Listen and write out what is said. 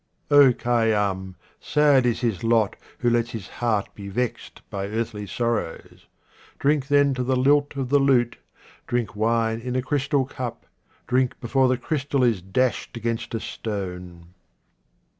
Khayyam, sad is his lot who lets his heart be vexed by earthly sorrows. Drink then to the lilt of the lute, drink wine in a crystal cup, drink before the crystal is dashed against a stone.